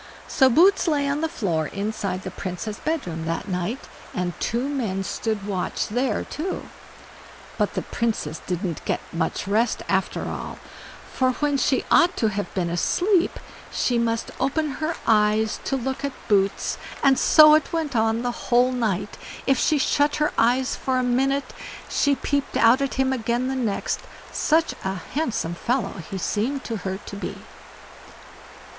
So Boots lay on the floor inside the Princess' bedroom that night, and two men stood watch there too; but the Princess didn't get much rest after all; for when she ought to have been asleep, she must open her eyes to look at Boots, and so it went on the whole night. If she shut her eyes for a minute, she peeped out at him again the next, such a handsome fellow he seemed to her to be.